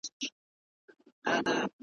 زما یې خټه ده اخیستې د خیام د خُم له خاورو ,